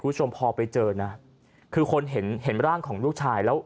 ผู้ชมพอไปเจอนะคือคนเห็นร่างของลูกชาย